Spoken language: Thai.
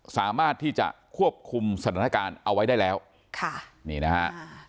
สามารถที่จะควบคุมสถานการณ์เอาไว้ได้แล้วค่ะนี่นะฮะ